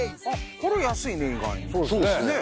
これ安いね意外にそうですね